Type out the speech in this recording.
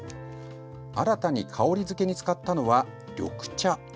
新たに香り付けに使ったのは緑茶。